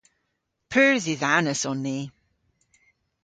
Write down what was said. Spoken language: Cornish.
Pur dhidhanus on ni.